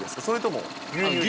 それとも。